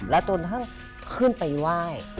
แล้วตรงทั้งขึ้นไปไหว้